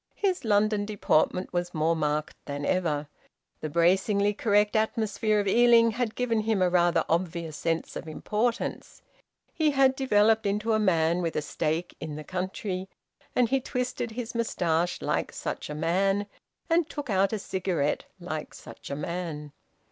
His London deportment was more marked than ever. The bracingly correct atmosphere of Ealing had given him a rather obvious sense of importance. He had developed into a man with a stake in the country, and he twisted his moustache like such a man, and took out a cigarette like such a man.